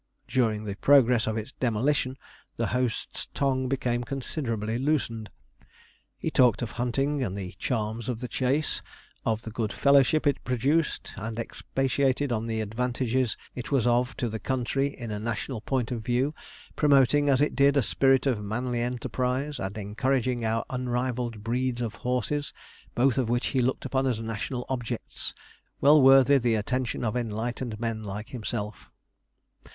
During the progress of its demolition, the host's tongue became considerably loosened. He talked of hunting and the charms of the chase of the good fellowship it produced: and expatiated on the advantages it was of to the country in a national point of view, promoting as it did a spirit of manly enterprise, and encouraging our unrivalled breed of horses; both of which he looked upon as national objects, well worthy the attention of enlightened men like himself.